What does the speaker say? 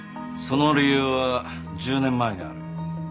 その理由は１０年前にある。